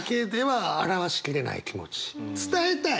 伝えたい。